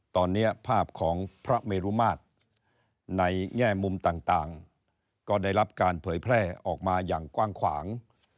ตอนนี้ภาพของพระเมรุมาตรในแง่มุมต่างก็ได้รับการเผยแพร่ออกมาอย่างกว้างขวาง